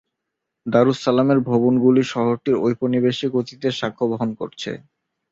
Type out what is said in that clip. দারুস সালামের ভবনগুলি শহরটির ঔপনিবেশিক অতীতের সাক্ষ্য বহন করছে।